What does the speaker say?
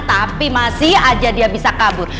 tapi masih aja dia bisa kabur